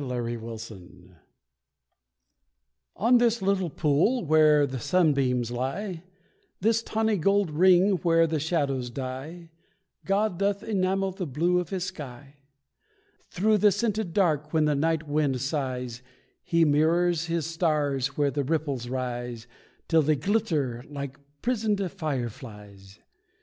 THE LILY POND On this little pool where the sunbeams lie, This tawny gold ring where the shadows die, God doth enamel the blue of His sky. Through the scented dark when the night wind sighs, He mirrors His stars where the ripples rise, Till they glitter like prisoned fireflies.